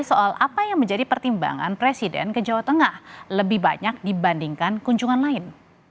soal apa yang menjadi pertimbangan presiden ke jawa tengah lebih banyak dibandingkan kunjungan lain